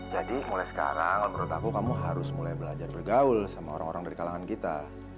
jadi mulai sekarang menurut aku kamu harus mulai belajar bergaul sama orang orang dari kalangan kita